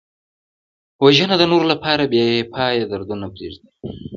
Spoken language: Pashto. وژنه د نورو لپاره بېپایه دردونه پرېږدي